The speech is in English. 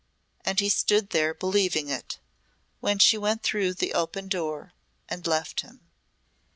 And he stood there believing it, when she went through the open door and left him.